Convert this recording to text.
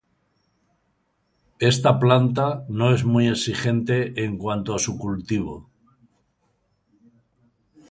Esta planta no es muy exigente en cuanto a su cultivo.